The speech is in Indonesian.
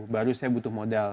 baru saya butuh modal